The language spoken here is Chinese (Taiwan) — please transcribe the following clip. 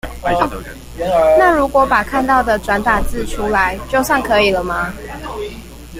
那如果把看到的轉打字出來，就算可以了嗎？